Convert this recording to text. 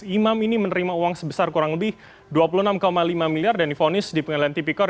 imam ini menerima uang sebesar kurang lebih dua puluh enam lima miliar dan difonis di pengadilan tipikor